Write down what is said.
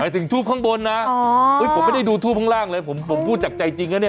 ถึงทูบข้างบนนะผมไม่ได้ดูทูปข้างล่างเลยผมพูดจากใจจริงนะเนี่ย